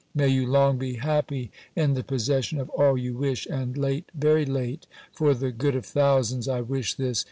May you long be happy in the possession of all you wish! and late, very late (for the good of thousands, I wish this!)